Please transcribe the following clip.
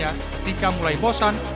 ketika mulai bosan